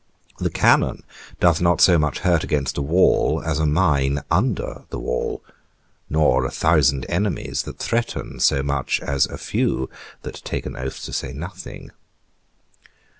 The cannon doth not so much hurt against a wall, as a mine under the wall; nor a thousand enemies that threaten, so much as a few that take an oath to say nothing.